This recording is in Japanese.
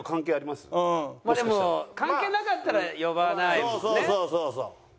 まあでも関係なかったら呼ばないもんね。